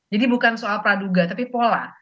jadi bukan soal praduga tapi pola